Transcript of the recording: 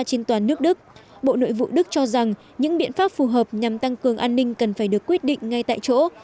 trên toàn nước đức bộ nội vụ đức cho rằng những biện pháp phù hợp nhằm tăng cường an ninh cần phải được quyết định ngay tại chỗ